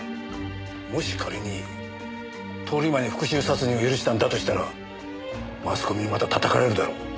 もし仮に通り魔に復讐殺人を許したんだとしたらマスコミにまた叩かれるだろう。